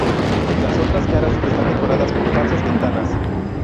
Las otras caras están decoradas por falsas ventanas.